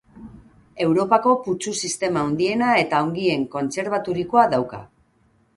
Europako putzu sistema handiena eta ongien kontserbaturikoa dauka.